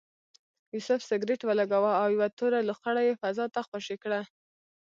یوسف سګرټ ولګاوه او یوه توره لوخړه یې فضا ته خوشې کړه.